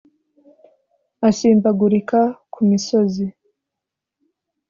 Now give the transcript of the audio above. Asimbagurika ku misozi.